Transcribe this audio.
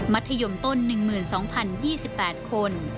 ธยมต้น๑๒๐๒๘คน